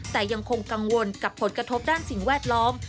แต่ยังคงกังวลกับผลกระทบด้านสิ่งแวดล้อม